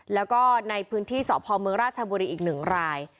แล้วก็ในพื้นที่สพเมืองราชบุรีอีก๑ราย